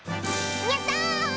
やった！